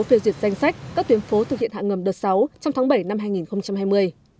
phê duyệt danh sách các tuyến phố thực hiện hạ ngầm đợt sáu trong tháng bảy năm hai nghìn hai mươi